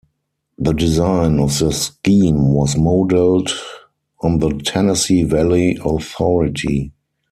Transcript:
The design of the scheme was modelled on the Tennessee Valley Authority.